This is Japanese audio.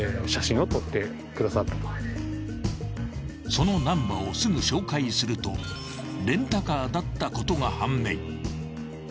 ［そのナンバーをすぐ照会するとレンタカーだったことが判明］